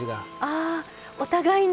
あお互いに。